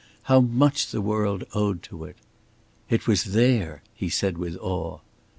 How much the world owed to it! "It was there!" he said with awe.